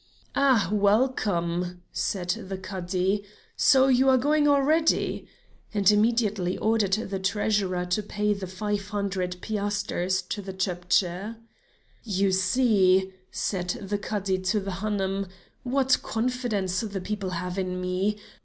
"Ah, welcome," said the Cadi, "so you are going already!" and immediately ordered the treasurer to pay the five hundred piasters to the Chepdji. "You see," said the Cadi to the Hanoum, "what confidence the people have in me.